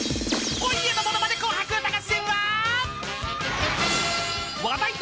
［今夜の『ものまね紅白歌合戦』は］